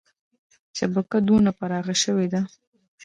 شبکه دونه پراخه شوې ده.